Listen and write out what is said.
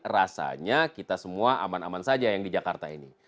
rasanya kita semua aman aman saja yang di jakarta ini